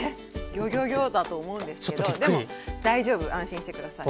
ギョギョギョだと思うんですけどでも大丈夫安心して下さい。